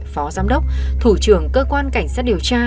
phó giám đốc thủ trưởng cơ quan cảnh sát điều tra